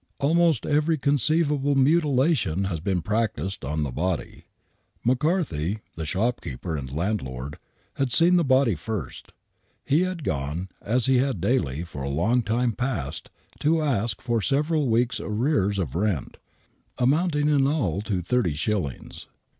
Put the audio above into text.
Almost every conceivable mutilation had been practised on the bod v. ft' McCarthy, the shopkeeper and landlord, had seen the body first. He had gone, as he had daily for a long time past, to ask for several weeks' arrears of rent, amounting in all to thirty shillings.